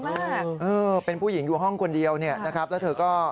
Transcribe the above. เพื่อปลูกผู้หญิงอยู่ห้องคนเดียวแล้วเธอก็